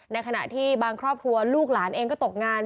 ในขณะที่บางครอบครัวลูกหลานเองก็ตกงาน